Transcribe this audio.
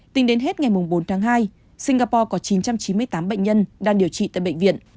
tính đến hết ngày bốn tháng hai singapore có chín trăm chín mươi tám bệnh nhân đang điều trị tại bệnh viện